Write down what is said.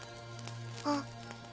あっ！